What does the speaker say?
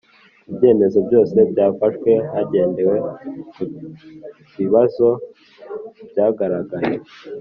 Ibyemezo byose byafashwe hagendewe ku ku bibazo byagaragaye